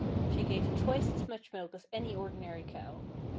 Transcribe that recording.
She gave twice as much milk as any ordinary cow.